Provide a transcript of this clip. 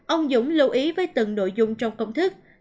ông dũng lưu ý với từng nội dung trong công thức